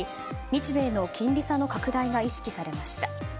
日米の金利差の拡大が意識されました。